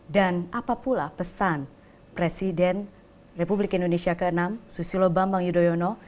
apa pula pesan presiden republik indonesia ke enam susilo bambang yudhoyono